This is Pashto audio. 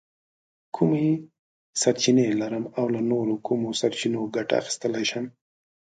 کومې سرچینې لرم او له نورو کومو سرچینو ګټه اخیستلی شم؟